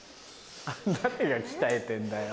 誰が鍛えてんだよ！